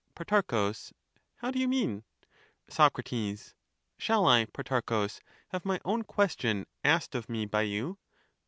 Pro, How do you mean ? Soc, Shall I, Protarchus, have my own question asked of me by you